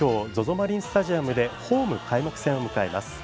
マリンスタジアムでホーム開幕戦を迎えます。